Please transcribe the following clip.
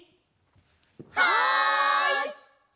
はい！